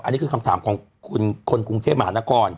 อันนี้คือคำถามของคนกรุงเทพมหานคร